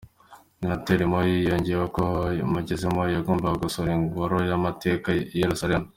Senateri Moi yongeyeho ko Muzehe Moi yagombaga gusura ingoro y’ amateka I Yeruzalemu.